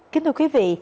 kính thưa quý vị